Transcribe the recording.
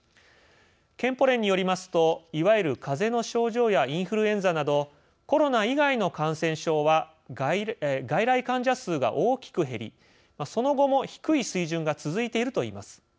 健保連によりますといわゆる「風邪」の症状やインフルエンザなどコロナ以外の感染症は外来患者数が大きく減りその後も低い水準が続いているといいます。